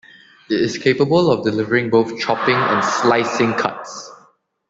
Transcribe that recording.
It is capable of delivering both chopping and slicing cuts.